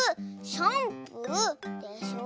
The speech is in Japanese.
「シャンプー」でしょ。